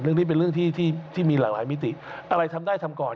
เรื่องนี้เป็นเรื่องที่ที่มีหลากหลายมิติอะไรทำได้ทำก่อน